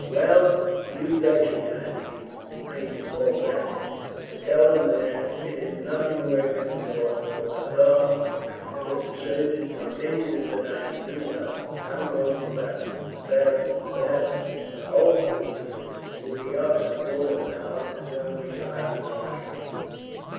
"Will you thank his majesty, Major Kaulbach; and tell him that it is nothing worse than the loss of a left arm, and that the surgeon's opinion is that I shall do well. How goes the battle?" "Badly, badly; but Holstein will be up in a quarter of an hour, and then we shall have another try.